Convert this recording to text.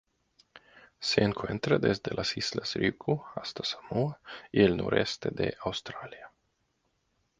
Se encuentra desde las Islas Ryukyu hasta Samoa y el noreste de Australia.